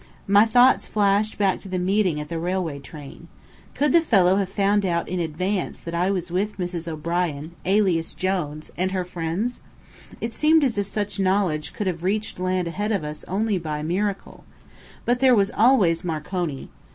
My thoughts flashed back to the meeting at the railway train. Could the fellow have found out in advance that I was with Mrs. O'Brien, [alias Jones] and her friends? It seemed as if such knowledge could have reached land ahead of us only by miracle. But there was always Marconi.